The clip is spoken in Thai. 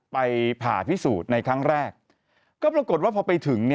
ไปผ่าพิสูจน์ในครั้งแรกก็ปรากฏว่าพอไปถึง